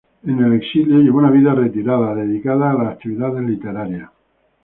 En el exilio llevó una vida retirada dedicada a las actividades literarias.